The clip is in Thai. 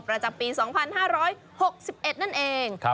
ประจำปี๒๕๖๑นั่นเอง